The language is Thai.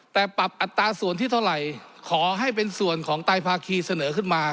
แต่ปรับอัตราส่วนที่เท่าไหร่ขอให้เป็นส่วนของตายภาคีเสนอขึ้นมา